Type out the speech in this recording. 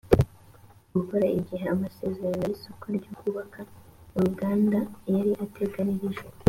gukora igihe amasezerano y isoko ryo kubaka uruganda yari ateganirijwe